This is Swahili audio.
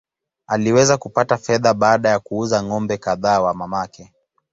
Aliweza kupata fedha baada ya kuuza ng’ombe kadhaa wa mamake.